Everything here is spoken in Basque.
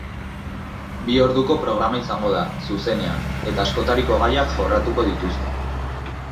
Bi orduko programa izango da, zuzenean, eta askotariko gaiak jorratuko dituzte.